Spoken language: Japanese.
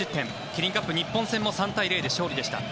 キリンカップ、日本戦も３対０で勝利でした。